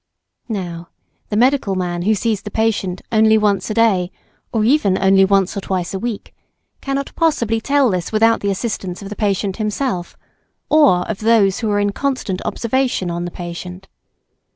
Now the medical man who sees the patient only once a day or even only once or twice a week, cannot possibly tell this without the assistance of the patient himself, or of those who are in constant observation on the patient.